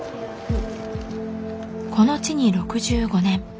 この地に６５年。